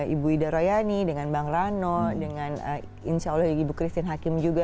ibu ida royani dengan bang rano dengan insya allah ibu christine hakim juga